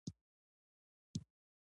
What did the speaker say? د سون اومه توکي په کارخانه کې زیات شي